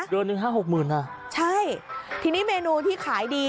เดือนหนึ่งห้าหกหมื่นอ่ะใช่ทีนี้เมนูที่ขายดี